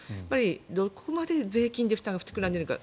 どこまで税金で負担が膨らんでいるか。